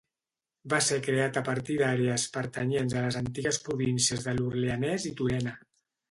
Va ser creat a partir d'àrees pertanyents a les antigues províncies de l'Orleanès i Turena.